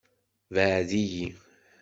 Bɛed-iyi.